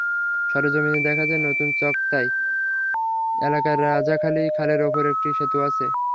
সরেজমিনে দেখা যায়, নতুন চাক্তাই এলাকায় রাজাখালী খালের ওপর একটি সেতু আছে।